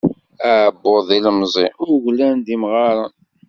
Aɛebbuḍ d ilemẓi, uglan d imɣaṛen.